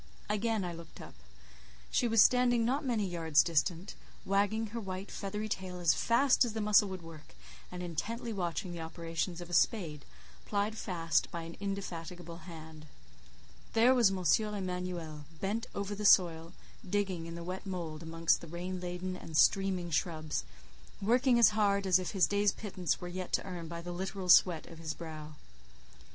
Again I looked up. She was standing not many yards distant, wagging her white feathery tail as fast as the muscle would work, and intently watching the operations of a spade, plied fast by an indefatigable hand. There was M. Emanuel, bent over the soil, digging in the wet mould amongst the rain laden and streaming shrubs, working as hard as if his day's pittance were yet to earn by the literal sweat of his brow.